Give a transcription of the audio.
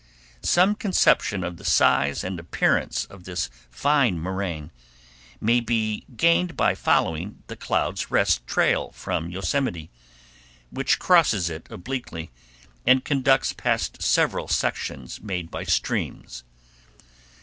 Some conception of the size and appearance of this fine moraine may be gained by following the Clouds' Rest trail from Yosemite, which crosses it obliquely and conducts past several sections made by streams.